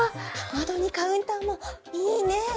窓にカウンターもいいね。